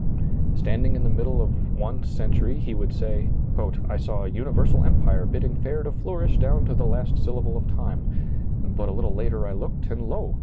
Standing in the midst of one cen tury he would say, " I saw a universal empire bid ding fair to flourish down to the last syllable of time; but a little later I looked, and lo